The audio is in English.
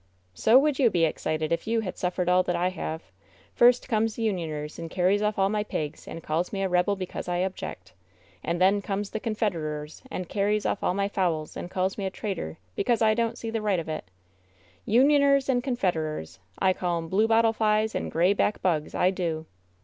"So would you be excited if you had suffered all that I have. First comes the Unioners and carries off all my pigs, and calls me a rebel because I object. And then comes the Confederers and carries off all my fowls, and calls me a traitor because I don't see the right of it, Unioners and Confederers! I calls 'em Blue Bottle Flies and Gray Back Bugs, I do